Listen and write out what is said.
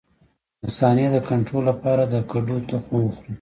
د مثانې د کنټرول لپاره د کدو تخم وخورئ